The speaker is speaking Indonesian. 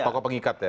pokok pengikat ya